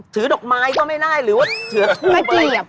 ดอกไม้ก็ไม่ได้หรือว่าถือไม่เจียบ